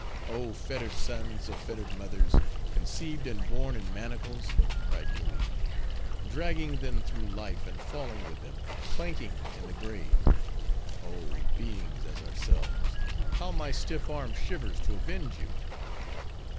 "Oh fettered sons of fettered mothers, conceived and born in manacles," cried Yoomy; "dragging them through life; and falling with them, clanking in the grave:—oh, beings as ourselves, how my stiff arm shivers to avenge you!